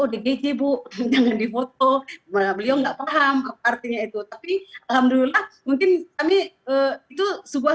odgd bu jangan difoto beliau nggak paham artinya itu tapi alhamdulillah mungkin kami itu sebuah